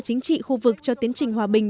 chính trị khu vực cho tiến trình hòa bình